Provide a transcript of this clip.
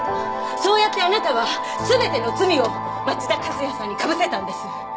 そうやってあなたは全ての罪を町田和也さんにかぶせたんです。